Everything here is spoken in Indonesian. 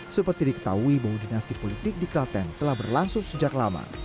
seperti diketahui bahwa dinasti politik di klaten telah berlangsung sejak lama